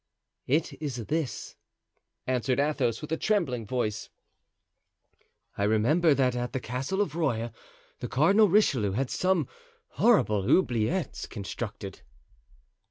"It is this," answered Athos, with a trembling voice. "I remember that at the Castle of Rueil the Cardinal Richelieu had some horrible 'oubliettes' constructed."